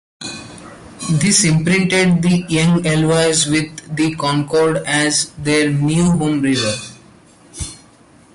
This imprinted the young alewives with the Concord as their new home river.